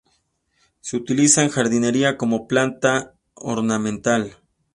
Se utiliza en jardinería como planta ornamental.